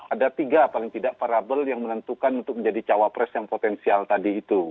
ada tiga paling tidak parabel yang menentukan untuk menjadi cawapres yang potensial tadi itu